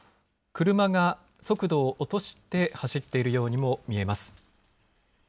車が速度を落として走っているようにも見えます。